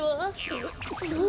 うっそう？